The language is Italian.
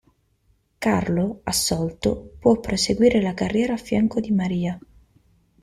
Carlo, assolto, può proseguire la carriera a fianco di Maria.